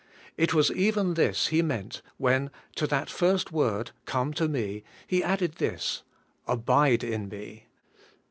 It was even this He meant when to that first word, * Oome to me,' He added this, 'Aiide in me.'